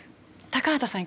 高畑さん